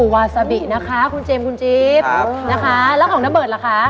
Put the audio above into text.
วาซาบินะคะคุณเจมส์คุณจิ๊บนะคะแล้วของนเบิร์ตล่ะคะ